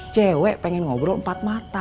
cewek pengen ngobrol empat mata